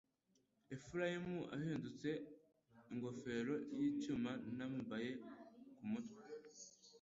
Efurayimu ihindutse ingofero y’icyuma nambaye ku mutwe